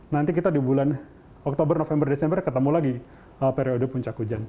nanti kita di bulan oktober november desember ketemu lagi periode puncak hujan